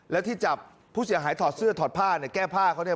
แล้วที่จับผู้เสียหายถอดเสื้อถอดผ้าเนี่ยแก้ผ้าเขาเนี่ย